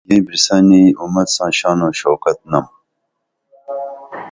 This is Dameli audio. یئیں بریسنی اُمت ساں شان او شوکت تہ بسن نم